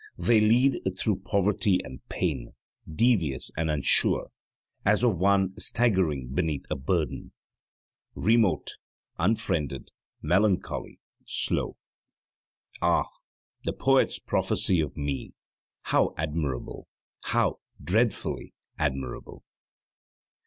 They lead through poverty and pain, devious and unsure, as of one staggering beneath a burden Remote, unfriended, melancholy, slow. Ah, the poet's prophecy of Me how admirable, how dreadfully admirable!